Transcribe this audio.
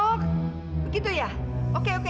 oh begitu ya oke oke